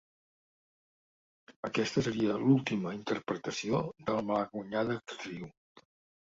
Aquesta seria l'última interpretació de la malaguanyada actriu.